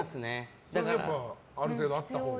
それで、ある程度あったほうが。